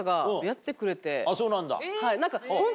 そうなんだ。